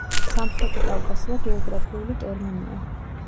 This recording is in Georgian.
სამხრეთი კავკასია გეოგრაფიული ტერმინია.